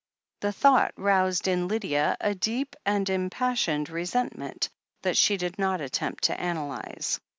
The thought roused in Lydia a deep and impassioned resentment, that she did not attempt to analyze.